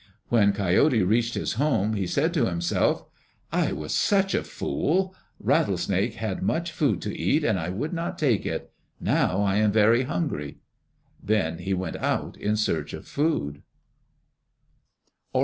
When Coyote reached his home he said to himself, "I was such a fool. Rattlesnake had much food to eat and I would not take it. Now I am very hungry." Then he went out in search of food.